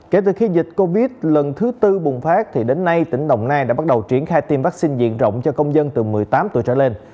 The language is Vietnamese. kể từ khi dịch covid lần thứ tư bùng phát thì đến nay tỉnh đồng nai đã bắt đầu triển khai tiêm vaccine diện rộng cho công dân từ một mươi tám tuổi trở lên